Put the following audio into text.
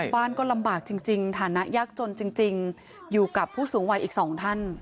บ้านก็ลำบากจริงฐานะยากจนจริงอยู่กับผู้สูงวัยอีก๒ท่าน